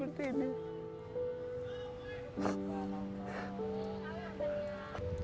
peningkatan triple gold